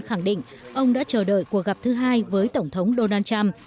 khẳng định ông đã chờ đợi cuộc gặp thứ hai với tổng thống donald trump